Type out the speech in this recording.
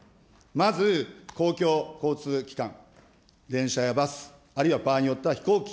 まず公共交通機関、電車やバス、あるいは場合によっては飛行機。